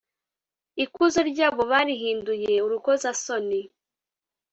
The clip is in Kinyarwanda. ikuzo ryabo barihinduye urukozasoni.